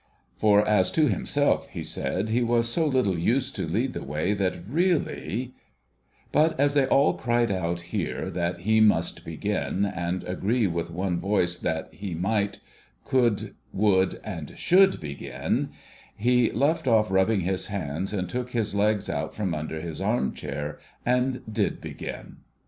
For as to himself, he said, he was so little used to lead the way that really But as they all cried out here, that he must begin, and agreed with one voice that he might, could, would, and should begin, he left off rubbing his hands, and took his legs out from under his arm chair, and did begin.